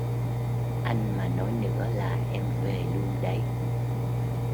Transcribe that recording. Anh mà nói nữa là em về luôn đấy